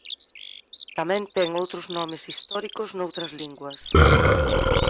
Tamén ten outros nomes históricos noutras linguas.